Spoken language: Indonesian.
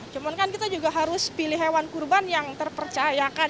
cuman kan kita juga harus pilih hewan kurban yang terpercayakan